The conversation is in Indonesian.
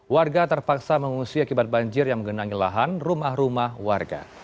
warga terpaksa mengungsi akibat banjir yang menggenangi lahan rumah rumah warga